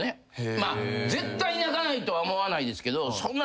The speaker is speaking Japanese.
まあ絶対泣かないとは思わないですけどそんな。